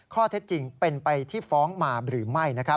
ข้อเท็จจริงเป็นไปที่ฟ้องมาหรือไม่